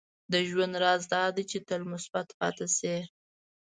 • د ژوند راز دا دی چې تل مثبت پاتې شې.